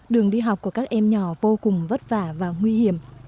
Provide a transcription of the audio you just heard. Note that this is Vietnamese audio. đường đi học của các em nhỏ vô cùng vất vả và nguy hiểm